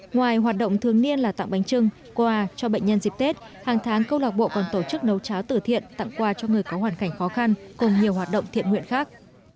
ngoài hoạt động thường niên là tặng bánh trưng quà cho bệnh nhân dịp tết hàng tháng câu lạc bộ còn tổ chức nấu cháo tử thiện tặng quà cho người có hoàn cảnh khó khăn cùng nhiều hoạt động thiện nguyện khác